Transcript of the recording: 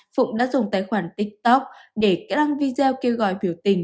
phụng đã dùng tài khoản tiktok để kết năng video kêu gọi biểu tình